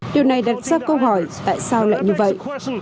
điều này đặt ra câu hỏi tại sao lại như vậy